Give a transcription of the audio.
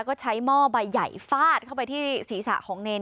ก็ใช้หม้อใบใหญ่ฟาดเข้าไปที่ศีรษะของเนร